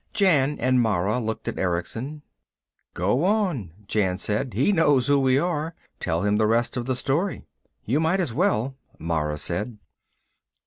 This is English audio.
Jan and Mara looked at Erickson. "Go on," Jan said. "He knows who we are. Tell him the rest of the story." "You might as well," Mara said.